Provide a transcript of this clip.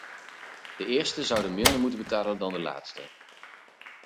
De eersten zouden minder moeten betalen dan de laatsten.